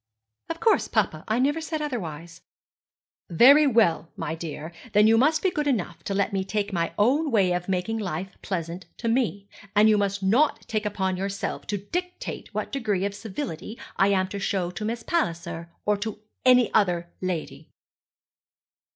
'Of course, papa. I never said otherwise.' 'Very well, my dear, then you must be good enough to let me take my own way of making life pleasant to myself, and you must not take upon yourself to dictate what degree of civility I am to show to Miss Palliser, or to any other lady.'